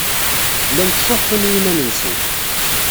Llan ttcuḥḥun i yiman-nsen.